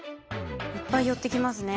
いっぱい寄ってきますね。